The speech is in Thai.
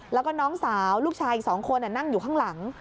แล้วก็น้องสาวลูกชายอีก๒คนนั่งอยู่ข้างหลัง